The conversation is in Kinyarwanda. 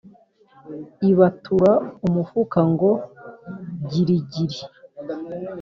, ibatura umufuka ngo girigiri…